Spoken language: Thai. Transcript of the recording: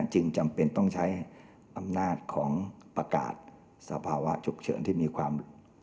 จึงจำเป็นต้องใช้อำนาจของประกาศสภาวะฉุกเฉินที่มีความ